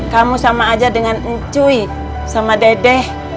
kamu sama aja dengan encuy sama dedek